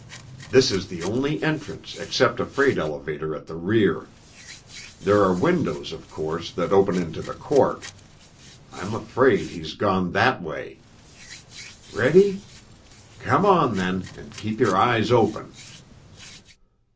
This is the only entrance except a freight elevator at the rear. There are windows, of course, that open into the court. I'm afraid he's gone that way! Ready? Come on, then, and keep your eyes open!"